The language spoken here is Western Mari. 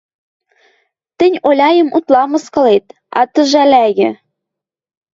Тӹнь Оляйым утла мыскылет, ат ӹжӓлӓйӹ.